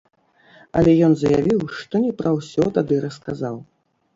Але ён заявіў, што не пра ўсё тады расказаў.